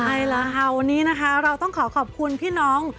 เอาล่ะค่ะวันนี้นะคะเราต้องขอขอบคุณพี่น้อง